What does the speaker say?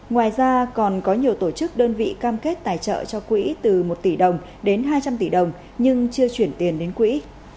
ngoài ra còn có nhiều tổ chức đơn vị cam kết tài trợ cho quỹ từ một tỷ đồng đến hai trăm linh tỷ đồng nhưng chưa chuyển tiền đến quỹ